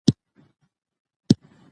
سیاسي اختلاف د پرمختګ برخه ده